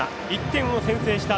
１点を先制した